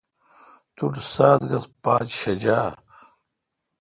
تو ٹھ سات گز پاچ شجہ۔